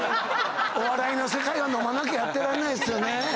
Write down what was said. お笑いの世界は飲まなきゃやってられないですよね。